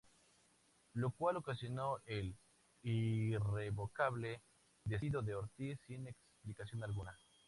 Lo cual ocasionó el "irrevocable" despido de Ortiz sin explicación alguna.